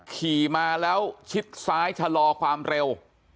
ขี่มาแล้วชิดซ้ายชะลอความเร็ว